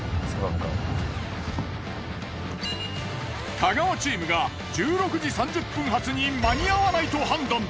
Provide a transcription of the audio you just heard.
太川チームが１６時３０分発に間に合わないと判断！